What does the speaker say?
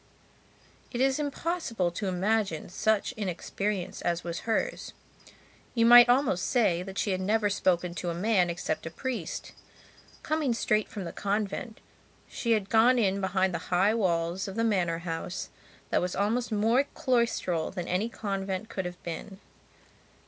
It is impossible to imagine such inexperience as was hers. You might almost say that she had never spoken to a man except a priest. Coming straight from the convent, she had gone in behind the high walls of the manor house that was almost more cloistral than any convent could have been.